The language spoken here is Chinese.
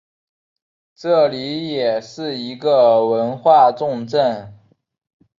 这里也是一个文化重镇。